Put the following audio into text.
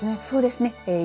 そうですね。